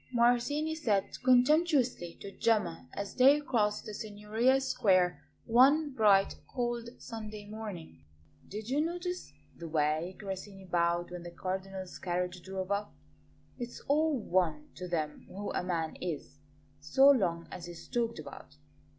Martini said contemptuously to Gemma as they crossed the Signoria square one bright, cold Sunday morning. "Did you notice the way Grassini bowed when the Cardinal's carriage drove up? It's all one to them who a man is, so long as he's talked about.